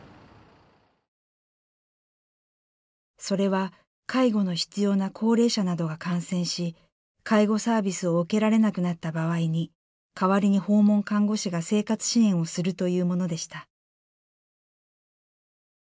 それは介護の必要な高齢者などが感染し介護サービスを受けられなくなった場合に代わりに訪問看護師が生活支援をするというものでした。